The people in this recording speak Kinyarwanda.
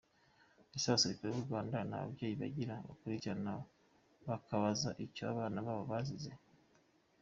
Ese abasirikare b’u Rwanda nta babyeyi bagira bakurikirana bakabaza icyo abana babo bazize?